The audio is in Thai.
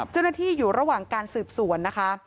เจ้าหน้าที่อยู่ระหว่างการสืบสวนนะคะ